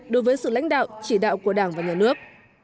đối với sự lãnh đạo chỉ đạo của đảng và nhà nước